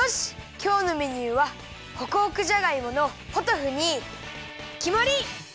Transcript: きょうのメニューはホクホクじゃがいものポトフにきまり！